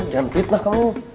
jangan fitnah kamu